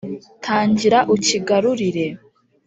Tangira ucyigarurire.’